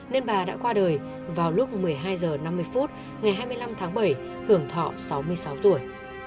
nên bà đã qua đời vào lúc một mươi hai h năm mươi phút ngày hai mươi năm tháng bảy hưởng thọ sáu mươi sáu tuổi